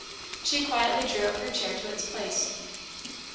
She quietly drew up her chair to its place.